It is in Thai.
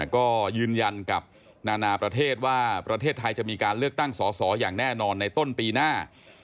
ก็ยืนยันกับนานาประเทศว่าประเทศไทยจะมีการเลือกตั้งสอสออย่างแน่นอนในต้นปีหน้า